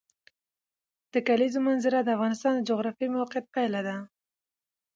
د کلیزو منظره د افغانستان د جغرافیایي موقیعت پایله ده.